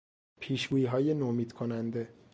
پیش گوییهای نومید کننده